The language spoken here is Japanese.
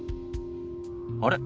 あれ？